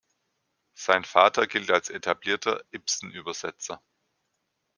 Sein Vater gilt als etablierter Ibsen-Übersetzer.